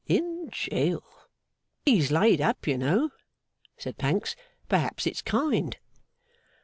In jail.' 'He's laid up, you know,' said Pancks. 'Perhaps it's kind.